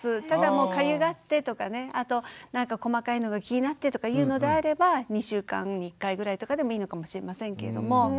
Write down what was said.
ただかゆがってとか細かいのが気になってとかいうのであれば２週間に１回ぐらいとかでもいいのかもしれませんけれども。